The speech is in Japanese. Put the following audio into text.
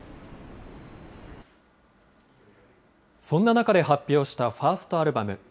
そんな中で発表したファーストアルバム。